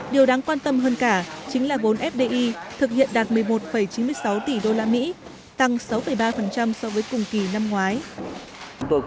điều đáng quan tâm hơn cả chính là vốn fdi thực hiện đạt một mươi một chín mươi sáu tỷ usd tăng sáu ba so với cùng kỳ năm ngoái